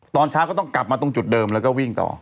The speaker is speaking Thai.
ตอนเช้าก็ต้องกลับมาตรงจุดเดิมแล้วก็วิ่งต่อ